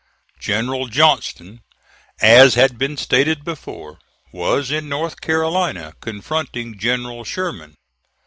General Johnston, as has been stated before, was in North Carolina confronting General Sherman.